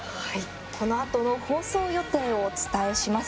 このあとの放送予定をお伝えします。